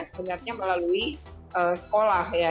sebenarnya melalui sekolah ya